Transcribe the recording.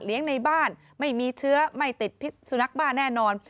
ในบ้านไม่มีเชื้อไม่ติดพิษสุนัขบ้าแน่นอน